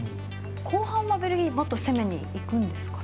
後半、ベルギーはもっと攻めにいくんですかね。